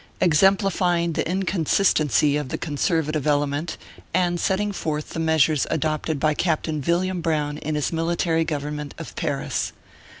EXEMPLIFYING THE INCONSISTENCY OP THE CONSERVATIVE ELEMENT, AND SETTING FORTH THE MEASURES ADOPTED BY CAPTAIN VILLIAM BROWN IN HIS MILITARY GOVERNMENT OF PARIS.